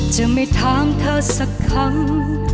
จะไม่ถามเธอสักครั้ง